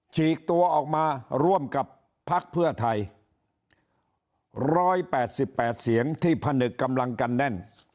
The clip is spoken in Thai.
ฉีกตัวออกมาร่วมกับภักดิ์เพื่อไทยร้อยแปดสิบแปดเสียงที่ปนึกกำลังกันแน่น